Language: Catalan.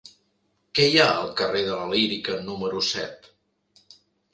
Què hi ha al carrer de la Lírica número set?